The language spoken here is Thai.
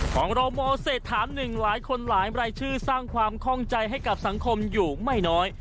ของเรามเศษถามหนึ่งหลายคนหลายรายชื่อสร้างความข้องใจให้กับสังคมอยู่ไม่น้อย